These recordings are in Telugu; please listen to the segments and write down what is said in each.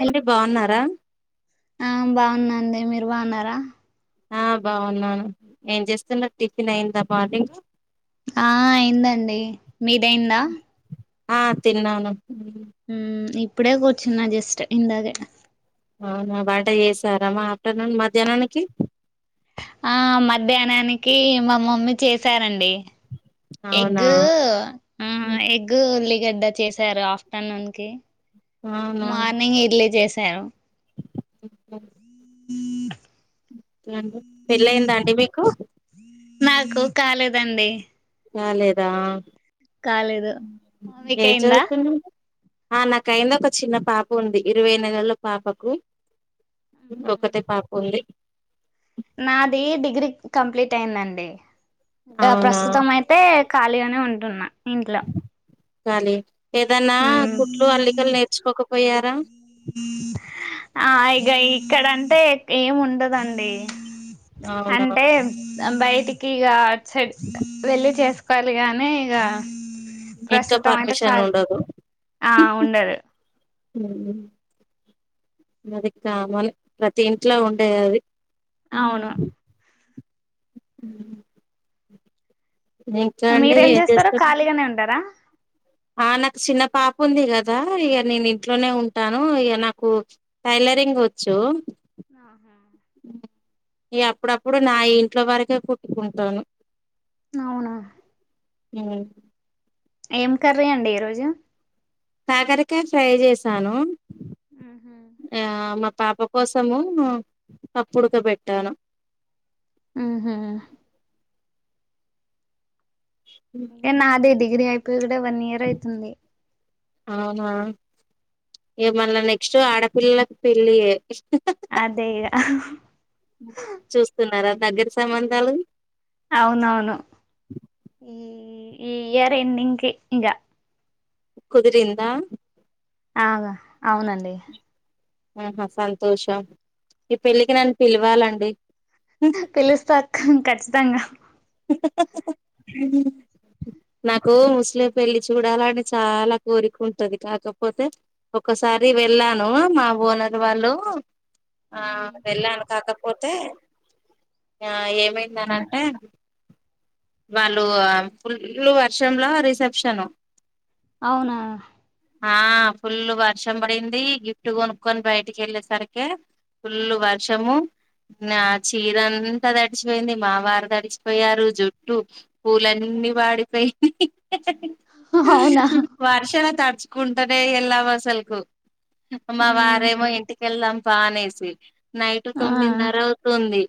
అండి బావున్నారా ఆ బాగున్నండీ మీరు బాగున్నారా ఆ బావున్నాను ఏం జేస్తున్నారు టిఫిన్ అయింద మార్నింగ్ ఆ అయిందండి మీదయిందా ఆ తిన్నాను ఇప్పుడే కూర్చున్నా జస్ట్ ఇందాగే అవునా వంట చేసార మ ఆఫ్టర్నూన్ మధ్యాహ్నానికి ఆ మధ్యాహ్నానికి మా మమ్మీ చేశారండి. ఎగ్ అవునా ఊ ఎగ్ ఎగ్ ఉల్లిగడ్డ చేశారు. ఆఫ్టర్నూన్ కి అవునా మార్నింగ్ ఇడ్లీ చేశారు. ఓ పెళ్ళయయిందా అండి మీకు నాకు కాలేదండి. కాలేదా కాలేదు ఏం మీకయిందా చదువుతుంది. ఆ నాకయినా ఒక చిన్న పాప ఉంది. ఇరవై నెలల పాపకు ఒకతే పాప ఉంది. నాది డిగ్రీ కంప్లీట్ అయిందండి ఇక అవునా ప్రస్తుతం అయితే అయితే ఖాళీగనే ఉంటున్నా ఇంట్లో కాలీ ఏదన్నా మ్మ్ కుట్లు అల్లికలు నేర్చుకోకపోయారా ఆ ఇగ ఇక్కడంటే ఏం ఉంటదండి అవునా అంటే బయటికి ఇగా అటు సైడ్ వెళ్ళి చేస్ కలిగానే ఇగ ఇంకా ప్రస్తుతం అయితే క పర్మిషన్ ఉండదు ఆ ఉండదు ఊ అది కామన్ ప్రతి ఇంట్లో ఉండే అది ఊ అవును ఉ అండి మీరేం ఏం జేస్తరు చేస్తున్నారు ఖాళీగనే ఉంటరా ఆ నాక్ చిన్న పాప ఉంది గదా ఇగ నేను ఇంట్లోనే ఉంటాను ఇగ నాకు టైలరింగ్ వోచ్చు ఆహా ఇగ అప్పుడప్పుడు నా ఇంట్లో వరకే కుట్టుకుంటాను. అవునా ఉ ఏం కర్రీ అండి ఈరోజు కాకరకాయ ఫ్రై చేశాను ఉహు ఆ మా పాప కోసము పప్పు ఉడకబెట్టాను ఉహు ఏ నాది డిగ్రీ అయిపోయి కూడా వన్ ఇయర్ అవుతుంది అవునా ఏమళ్ళ నెక్స్ట్ ఆడపిల్లలకు పెళ్ళియే అదే ఇగ చూస్తున్నారా దగ్గర సంబంధాలు అవునవును ఈ ఇయర్ ఎండింగ్కి ఇగ కుదిరిందా ఆగ అవునండి ఆహా సంతోషం ఈ పెళ్ళికి నన్ను పిలవాలండి పిలుస్తాక్క ఖచ్చితంగా హ హ నాకు ముస్లిం పెళ్ళి చూడాలని చాలా కోరికుంటది కాకపోతే ఒక్కసారి వెళ్ళాను మా ఓనర్ వాళ్ళు ఆ వెళ్ళాను కాకపోతే, ఆ ఏమైందనటే వాళ్ళు ఫుల్లు వర్షంల రిసెప్షను అవునా! ఆ ఫుల్లు వర్షం పడింది గిఫ్ట్ గొనుక్కొని బయటికెళ్ళేసరికే ఫుల్లు వర్షము నా చీర అంతా తడిచిపోయింది మావారు తడిచిపోయారు జుట్ టు పూలన్నీ వాడిపోయి హె హే అవునా వర్షాల తడుచుకుంటనే ఎల్లాము అసల్కు మా వారేమో ఇంటికెళ్దాం పా అనేసి నైట్ ఆ తొమ్మిదిన్నర అవుతుంది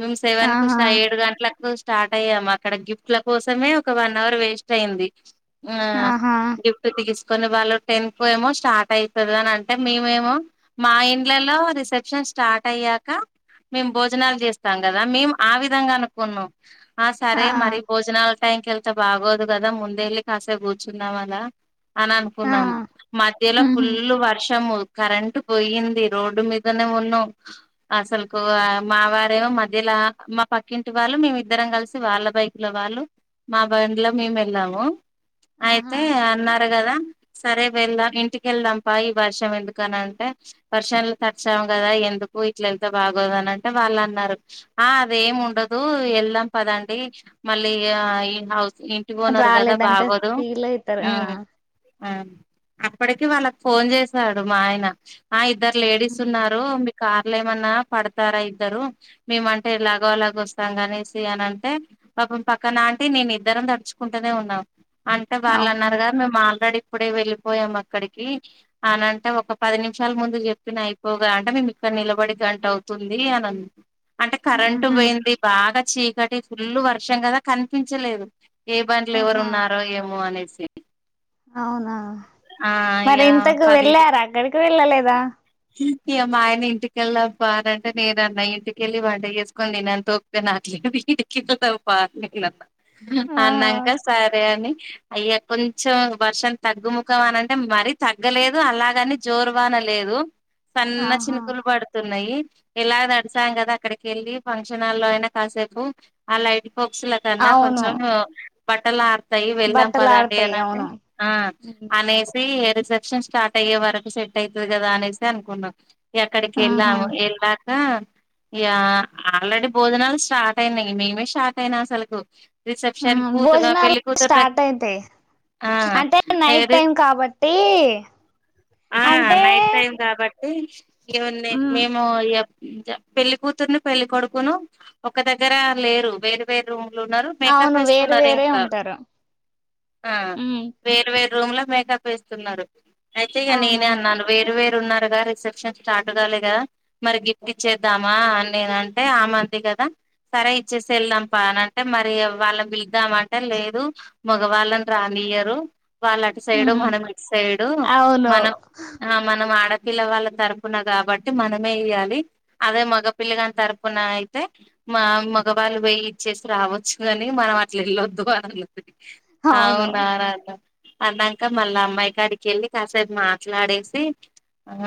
మేము సెవెన్కు ఆహా ఏడు గంటలకు స్టార్ట్ అయ్యాము మకాడ గిఫ్ట్ల కోసమే ఒక వన్ అవర్ వేస్ట్ అయింది ఆ ఆహా గిఫ్ట్ తీసుకొని వాళ్ళు టెన్కెమో స్టార్ట్ అయితది అని అంటే మేమేమో మా ఇండ్లల్లో రిసెప్షన్ స్టార్ట్ అయ్యాక మేం భోజనాలు చేస్తాం గదా మేం ఆ విధంగా అనుకున్నాం ఆ ఆ సరే మరి భోజనాల టైంకెళ్తే బాగోదు కదా ముందేళ్ళి కాసేపు కూర్చుందాం అల ఆ అననుకున్నాం మధ్యలో ఉహు ఫుల్లు వర్షము కరెంట్ బోయింది రోడ్డు మీదనే ఉన్నాం అసలుకు మావారేమో మధ్యలా మా పక్కింటి వాళ్ళు మేమిద్దరం కలిసి వాళ్ళ బైక్లో వాళ్ళు మా బండ్లో మేము వెళ్ళాము ఆహా అయితే అన్నారు గదా సరే వెళ్దా ఇంటికెళ్దాం పా ఈ వర్షం ఎందుకని అంటే వర్షం తడిచాంగదా ఎందుకు ఇట్లేళ్తే బాగోదని అంటే వాళ్ళు అన్నారు ఆ అదేముండదు ఎళ్దాం పదండి మళ్ళీ ఆ ఇన్హౌస్ ఇంటి ఓనరు గదా రాలేదంటే బాగోదు ఫీల్ అయితారు ఆ మ్ ఆ అప్పడికి వాళ్ళకి ఫోన్ చేసాడు మా ఆయన ఆ ఇద్దరు లేడీస్ ఉన్నారు కార్ల ఏమన్నా పడతారా ఇద్దరు మేమంటే ఎలాగో అలాగ వస్తాం గాని ది అని అంటే పాపం పక్కనంటి నేను ఇద్దరం తడుచుకుంటనే ఉన్నం అంటే అవునా వాళ్ళన్నారుగ మేము ఆల్రెడీ ఇప్పుడే వెళ్ళిపోయాం అక్కడికి అనంటే ఒక పది నిమిషాల ముందు చెప్పిన అయిపోగా అంటే మేము ఇక్కడ నిలబడి గంట అవుతుంది అని ఆన్ అంటే కరెంటు ఆహా పోయింది బాగా చీకటి ఫుల్లు వర్షం కదా కనిపించలెదు ఏ బండ్లో ఎవరు ఆహా ఉన్నారో ఏమో అనేసి అవునా ఆ ఇగ మరి ఇంతకు పది వెళ్ళార అక్కడికి వెళ్ళలేదా ఇగ మా ఆయన ఇంటికెళ్దాం బా అని అంటే నేను అన్న ఇంటికెళ్ళి వంట చేసుకోని తినేంతోప్ పీక నాకు లేదు [unintelligible] నీను అన్న ఆహా అన్నంక సరే అని ఇగ కొంచెం వర్షం తగ్గుమ్ తమనంటే మరి తగ్గలేదు అలాగాని జోర్వాన లేదు సన్న ఆహా చినుకులు పడ్ తున్నయి ఎలాగో తడిచాం కదా అక్కడికెళ్ళి ఫంక్షన్ల్లో అయినా కాసేపు ఆ లైట్ ఫోక్స్ ల కన్నా అవును కొంచెం బట్టలర్ త్తయి వెళ్దాం బట్టలు పదండి ఆడతాయి అని అంటే అవును ఆ అనేసి రిసెప్షన్ స్టార్ట్ అయ్యే వరకు సెట్ అయితది కదా అనేసి అనుకున్నా ఇగ అక్కడికి ఆహా వెళ్ళాము ఎళ్ళాక ఇగ ఆల్రెడీ భోజనాలు స్టార్ట్ అయినాయి మేమే షాక్ అయినా అసలులకు ఆ రిసెప్షన్ కూతుగా భోజనాలు పెళ్ళి కూతురు దగ్ స్టార్ట్ అయితాయి అ అంటే నైట్ ఏది టైం కాబట్టి ఆ అంటే నైట్ టైం కాబట్ ట్టి ఏమన్నాయి మేము ఇగ పెళ్లి కూతుర్ని పెళ్లి కొడుకును ఒక దగ్గర లేరు వేరు వేర్ రూమ్లు ఉన్నారు మేకప్ అవును వేరు వేస్తున్నారు వేరే ఇంకా ఉంటారు ఆ ఉమ్ వేర్ వేరు రూమ్ ల మేకప్ వేస్తున్నారు అయితే ఇగ అవునా నేనే అన్నాను వేరు వేరు ఉన్నారుగా రిసెప్షన్ స్టార్ట్ కలేగా మరి గిఫ్ట్ ఇచ్చేద్దామా అని నేనంటే ఆ మంది కదా సరే ఇచ్చేసి వెళ్దాం పా అని అంటే మరి వాళ్ళ బిల్దామ అంటే లేదు మగవాళ్ళని రానియరు వాళ్ళ అటు సైడు ఉహు మనం ఇటు సైడు అవును మనం ఆ మనం ఆడపిల్ల వాళ్ళ తరపున కాబట్టి మనమే ఇయాలి అదే మగపిల్ల గాని తరుపున అయితే మా మగవాళ్ళు పోయి ఇచ్చేసి రావచ్చు కాని మనం అట్లా వెళ్ళొద్దు అని అన్నది అవును అవున అని అన్న అన్నాక మళ్ళ అమ్మాయి గడికేళ్ళి కాసేపు మాట్లాడేసి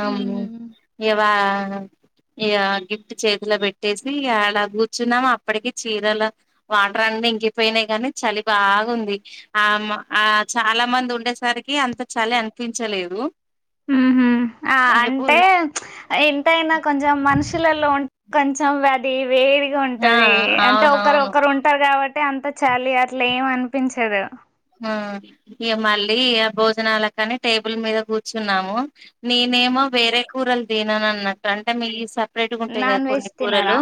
అమ్ ఉహు ఇగ వా ఇగ గిఫ్ట్ చేతిల పెట్టేసి అలా కూర్చున్నాము అప్పటికే చీరల వాటర్ అన్నిీ ఇంకిపోయినాయి కానీ చలి బాగుంది ఆమ్ ఆ చాలా మంది ఉండేసరికి అంత చాలి అనిపించలేదు మ్ హు ఆ ఇంక పూ అంటే ఎంతైనా కొంచెం మనుషులలో ఉం కొంచెం అది వేడి ఆ ఉంటది అంటే ఒకరు అవునవును ఒకరు ఉంటారు కాబట్టి అంత చలి అట్లా ఏం అనిపించదు ఆ ఇగ మళ్ళీ ఆ భోజనాల కాని టేబుల్ మీద కూర్చున్నాము నేనేమో ఉమ్. వేరే కూరలు దినను అన్నట్టు అంటే మీ ఈ స ెట్టుగుంటాయి కదా నాన్ వెజ్ కొన్ని తినరా కూరలు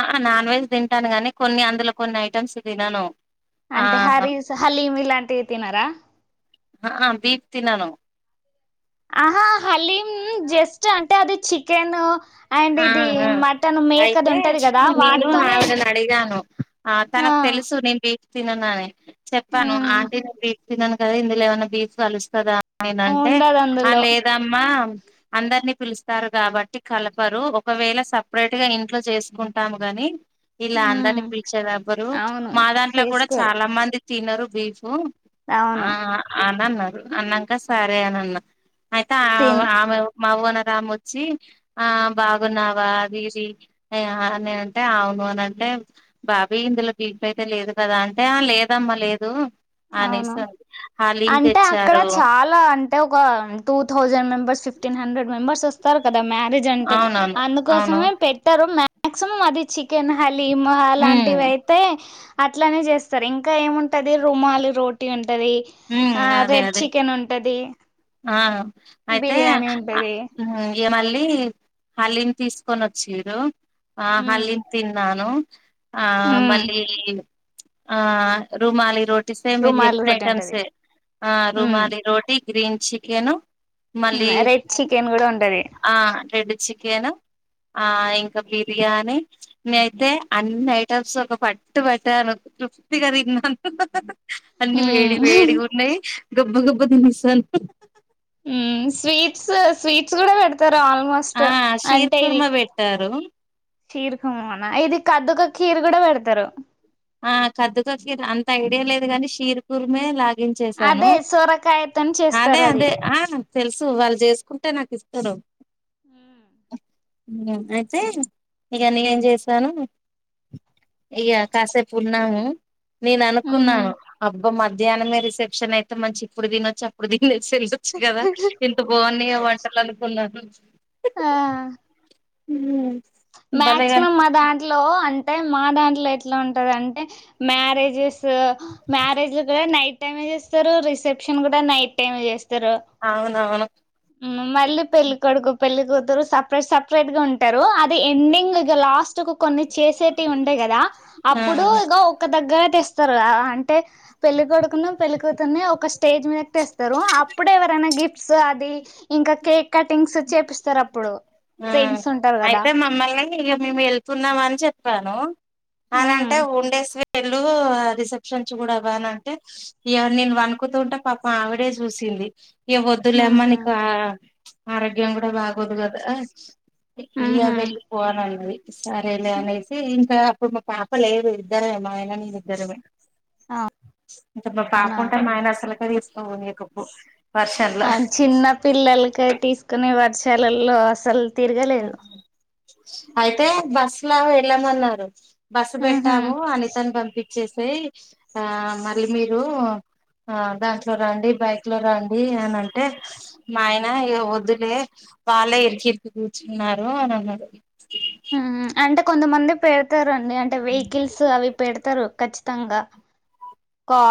ఆ నాన్ వెజ్ తింటాను గానీ కొన్ని అందులో కొన్ని ఐటెమ్స్ తినను ఆ అంటే హరీస్ హలీం ఇలాంటివి తినారా ఆ ఆ బీప్ తినను ఆహా హలీమ్ జస్ట్ అంటే అది చికెను అండ్ ఆ ఇది ఆ మటన్ మేకది అయితే ఉంటది కదా నేను వాటితోనే ఆవిడని అడిగాను ఆ తనకు తెలుసు నేను బీఫ్ తిననని ఉ చెప్పాను ఆంటీను తినను కదా ఇందులో ఏమన్న బీఫ్ కలుస్తదా [inaudible] నేనంటే ఉండదు ఆ అందులో లేద్ దమ్మా అందరినీ పిలుస్తారు కాబట్టి కల ప్పరు ఒకవేళ సపరేట్ గా ఇంట్లో చేసుకుంటాము గాని ఇలా ఉ అందరినీ పిలిచేది ఎవ్వరు అవును మా దాంట్లో కూడా చేసుకోరు చాలా మంది తినరు బీఫ్ అవును ఆ అనన్నారు అన్నాక సరే అనన్నా అయితే ఆ తిన్ ఆమె మా ఓనర్ ఆమె వచ్చి ఆ బాగున్నావా ఆ పిలిచి ఆ [inaudible] బాబీ ఇందులో బిఫైతే అయితే లేదు కదా అంటే లేదమ్మా లేదు అవును ఆనేసంది హలీమ్ తెచ్చారు అలా అం ట ఒక two thousand members fifteen hundred members వస్తారు కదా మ్యారేజ్ అంటే అవునవును అవును అందుకోసమే పెట్టారు మాక్సిమం అది చి కెన్, హలీమ్ ఉమ్ అలాంటివి అయితే అట్లనే చేస్తారు ఇంకా ఏముంటది రుమాలి రోటీ ఉంటది ఉమ్ ఆ అదే రెడ్ అదే చికెన్ ఉంటది, ఆ అయితే బిర్యానీ ఆ ఉంటది ఇగ మళ్ళీ హలీమ్ తీసుకొని వచ్చిరు ఆ ఉ హలీం తిన్నాను ఆ ఉ మళ్ళీ ఆ రూమాలి రోటీసే మీరు రుమాలి చెప్పిన రోటీ ఐటమ్స్ ఉంటది ఏ ఆ ఉ రుమాలి రోటీ గ్రీన్ చికెను మళ్ళీ రెడ్ చికెన్ కూడా ఉంటది ఆ రెడ్ చికెను, ఆ ఇంకా బిర్యానీ నేనయితే అన్ని ఐటమ్స్ ఒక పట్టు పట్టాను తృప్తిగా తిన్నాను అన్ని వేడి హ్మ్ వేడిగా ఉన్నాయి గబ్బ గబ్బ తినేసాను మ్మ్ స్వీట్స్ స్వీట్స్ కూడా పెడ తారు ఆల్మోస్ట్ ఆ షీర్ అంటే ఇది కుర్మ పెట్టారు కీరుక [unintelligible] ఇది ఖద్దుక కీరు కూడా పెడతారు ఆ ఖద్దుక ఖిర్ అంత ఐడియా లేదు గాని షీర్ కూరమే లా [inaudible] చేసాను అదే సొరకాయతోని అదే చేస్తారు అది అదే తెలుసు వాళ్ళు చేసుకుంటే నాకు ఇస్తరు మ్మ్ అయితే ఇగ నేనేం చేశాను ఇక కాసేపు ఉన్నాము నేను ఊహూ అనుకున్నాను అబ్బ మధ్యాహ్నమే రిసెప్ షన్ అయితే మంచి ఇప్పుడు తినొచ్చు అప్పుడు [inaudible] కదా ఇంత బాగున్నాయో వంటలు [unintelligible] ఆ మ్మ్ మాక్సిమం అదా దంట్లో అంటే మా దాంట్లో ఎట్ల ఉంటాదంటే మ్యారేజెస్ స మ్యారేజ్ కూడా నైట్ టైమే చేస్తారు రిసెప్షన్ కూడా నైట్ టైమే చేస్తారు అవునవును మళ్ళీ పెళ్లి కొడుకు పెళ్లి కూతురు సపరేట్ సపరేట్ గా ఉంటారు ఎండింగ్ ఇగ లాస్ట్ కు కొన్ని చేసేటివి ఉంటాయి కదా ఆ అప్పుడు ఇక ఒక దగ్గర ఐతె వస్తరు కదా అని అంటె పెళ్ళి కొడుకును పెళ్ళి కూతురును ఒక స్టేజ్ మీదకు తెస్తారు అప్పుడు ఎవరైనా గిఫ్ట్ సో అది ఇంకా కేక్ కటింగ్స్ చేపిస్తారు అప్పుడు ఆ ఫ్రెండ్స్ ఉంటారు కదా అయితే మమ్మల్ని ఇక మేము వెళ్తున్నాం అని చెప్పాను ఉమ్ అనంటే ఉండేసి వెళ్ళు రిసెప్షన్స్ కూడా బాన అంటే ఇక నేను వణుకుతుంటే పాపం ఆవిడే చూసింది ఇక వద్దులేమ్మ ఆహా నీకు ఆరోగ్యం కూడా బాగోదు కద ఏమొద్దు ఉహు వెళ్ళిపో అనన్నది సరేలే అనేసి ఇంకా అప్పుడు మా పాప లేదు ఇద్దరమే మా ఆయన నేను ఇద్దరమే ఇంక మా పాప అవునా ఉంటే మా ఆయన అసలుకే తీసుకపోనీకపోవ్ ఆ చిన్న పిల్లలకి తీసుకునే వర్షాలలో అసలు తిరగలేదు అయితే బస్ లా వెళ్ళమన్నారు బస్సు ఉహు పెట్టాము అనితను పంపిచెసేయి పంపిచ్చేసై ఆ మళ్ళీ మీరు ఆ దాంట్లో రండి బైక్ లో రండి అని అంటే మా ఆయన ఇక వద్దులే వాళ్ళే ఇరికి ఇరికి కూర్చున్నారు అని అన్నాడు ఉ అంటే కొంతమంది పెడతారండి అంటే వెహికల్స్ అవి పెడతారు ఖచ్చితంగా కా